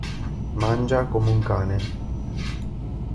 Mangia come un cane.